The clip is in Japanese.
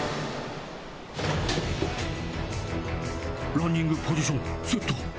ランディングポジションセット。